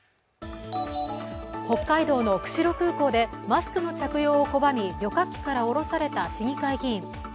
北海道の釧路空港でマスクの着用を拒み、旅客機から降ろされた市議会議員。